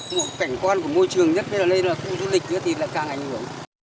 một cảnh quan của môi trường nhất đây là đây là khu du lịch nữa thì lại càng ảnh hưởng